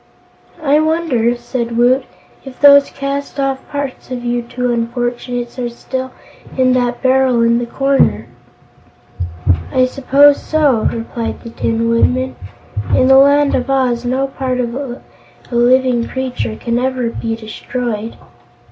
"I wonder," said Woot, "if those cast off parts of you two unfortunates are still in that barrel in the corner?" "I suppose so." replied the Tin Woodman. "In the Land of Oz no part of a living creature can ever be destroyed."